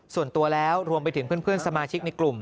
ส่วนตัวแล้วรวมไปถึงเพื่อนสมาชิกในกลุ่ม